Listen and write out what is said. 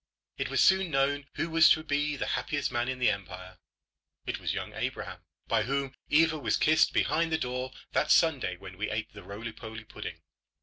It was soon known who was to be the happiest man in the empire. It was young Abraham, by whom Eva was kissed behind the door that Sunday when we ate the roly poly pudding.